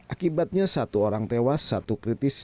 akibatnya satu orang tewas satu kritis